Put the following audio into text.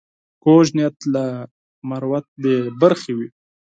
کوږ نیت له مروت بې برخې وي